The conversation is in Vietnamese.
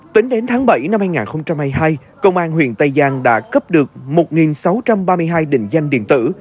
tính đến tháng bảy năm hai nghìn hai mươi hai công an huyện tây giang đã cấp được một sáu trăm ba mươi hai định danh điện tử